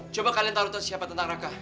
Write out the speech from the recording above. coba kalian tahu siapa tentang raka